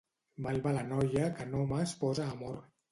Mal va la noia que en homes posa amor.